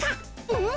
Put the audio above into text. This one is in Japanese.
うん？